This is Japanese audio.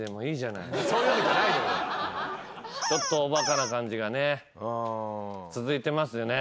ちょっとおバカな感じがね続いてますよね。